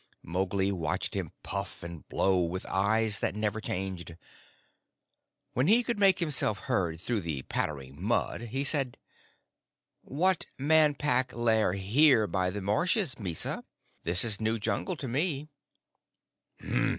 Mowgli watched him puff and blow with eyes that never changed. When he could make himself heard through the spattering mud, he said: "What Man Pack lair here by the marshes, Mysa? This is new jungle to me."